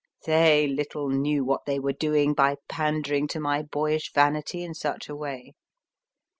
They little knew what they were doing by pandering to my boyish vanity in such a way.